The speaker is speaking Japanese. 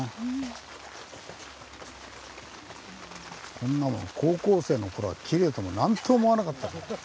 こんなの高校生の頃はきれいとも何とも思わなかった。